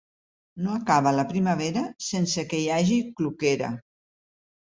No acaba la primavera sense que hi hagi cloquera.